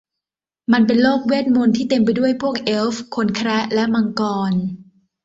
มันเป็นโลกเวทมนต์ที่เต็มไปด้วยพวกเอลฟ์ คนแคระและมังกร